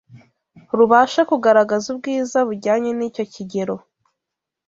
rubashe kugaragaza ubwiza bujyanye n’icyo kigero